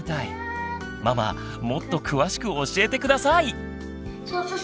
ママもっと詳しく教えて下さい！